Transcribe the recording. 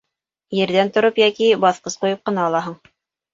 Ерҙән тороп йәки баҫҡыс ҡуйып ҡына алаһың.